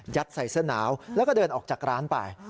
ใส่เสื้อหนาวแล้วก็เดินออกจากร้านไป